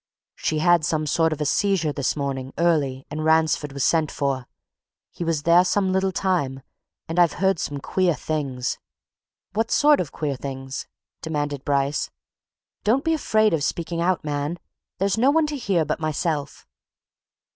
She had some sort of a seizure this morning early and Ransford was sent for. He was there some little time and I've heard some queer things." "What sort of queer things?" demanded Bryce. "Don't be afraid of speaking out, man! there's no one to hear but myself."